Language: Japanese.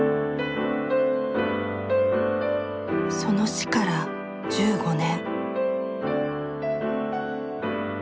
その死から１５年。